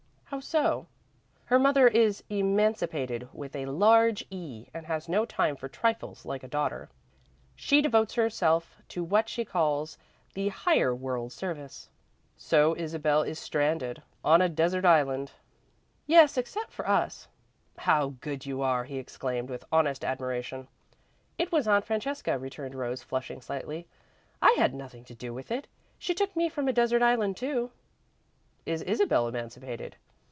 "How so?" "Her mother is Emancipated, with a large E, and has no time for trifles like a daughter. She devotes herself to what she calls the Higher World Service." "So Isabel is stranded, on a desert island." "Yes, except for us." "How good you are!" he exclaimed, with honest admiration. "It was Aunt Francesca," returned Rose, flushing slightly. "I had nothing to do with it. She took me from a desert island, too." "Is Isabel emancipated?"